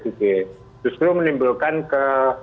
itu justru menimbulkan ke